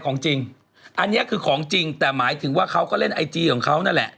ของจริงอันนี้คือของจริงแต่หมายถึงว่าเขาก็เล่นไอจีของเขานั่นแหละ